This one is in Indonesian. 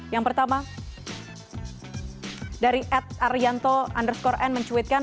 yang pertama dari ed arianto underscore n mencuitkan